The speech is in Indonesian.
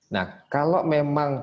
nah kalau memang pertanyaan